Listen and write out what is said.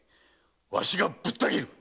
わしがぶった斬る！